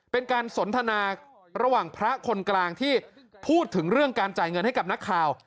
เป็นการสนทนาระหว่างพระคนกลางที่พูดถึงเรื่องการจ่ายเงินให้กับนักข่าว